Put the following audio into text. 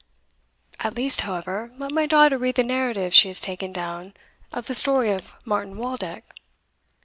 "At least, however, let my daughter read the narrative she has taken down of the story of Martin Waldeck."